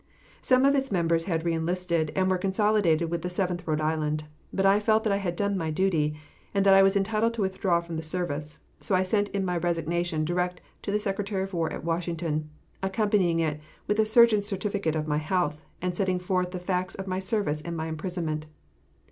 Some of its members had re enlisted, and were consolidated with the Seventh Rhode Island; but I felt that I had done my duty, and that I was entitled to withdraw from the service, so I sent in my resignation direct to the Secretary of War at Washington, accompanying it with a surgeon's certificate of my health, and setting forth the facts of my service and my imprisonment.